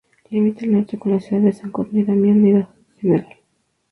Limita al norte con la ciudad de San Cosme y Damián y Gral.